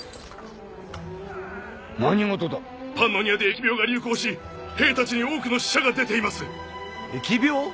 何事だパンノニアで疫病が流行し兵たちに多くの死者が出ています疫病？